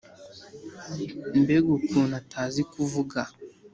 Mbega ukuntu atazi kuvuga